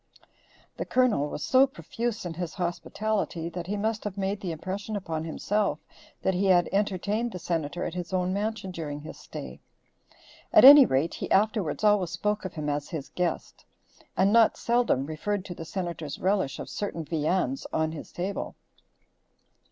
The Colonel was so profuse in his hospitality that he must have made the impression upon himself that he had entertained the Senator at his own mansion during his stay; at any rate, he afterwards always spoke of him as his guest, and not seldom referred to the Senator's relish of certain viands on his table.